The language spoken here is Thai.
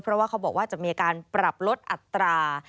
เพราะว่าเขาบอกว่าจะมีการปรับลดอัตรา